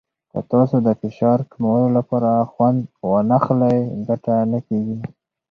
که تاسو د فشار کمولو لپاره خوند ونه واخلئ، ګټه نه کېږي.